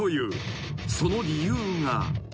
［その理由が］